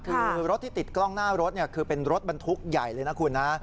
คือรถที่ติดกล้องหน้ารถคือเป็นรถบรรทุกใหญ่เลยนะคุณนะ